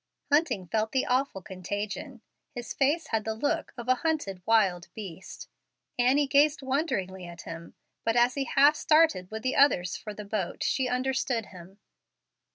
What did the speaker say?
Hunting felt the awful contagion. His face had the look of a hunted wild beast. Annie gazed wonderingly at him, but as he half started with the others for the boat she understood him.